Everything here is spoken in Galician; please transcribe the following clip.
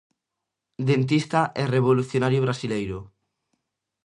Dentista e revolucionario brasileiro.